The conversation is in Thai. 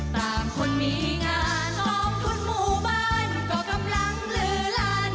ตามคนมีงานรอบทุนมุมบ้านก็กำลังเหลือลัน